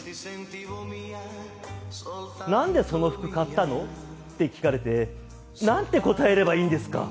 「なんでその服買ったの？」って聞かれてなんて答えればいいんですか？